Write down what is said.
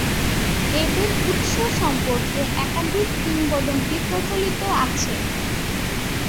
এদের উৎস সম্পর্কে একাধিক কিংবদন্তি প্রচলিত আছে।